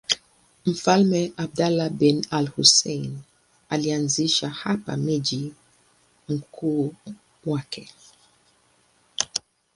Mfalme Abdullah bin al-Husayn alianzisha hapa mji mkuu wake.